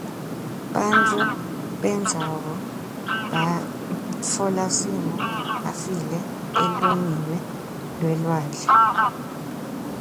Bantfu bendzawo bamtfola Simo afile elugwini lwelwandle.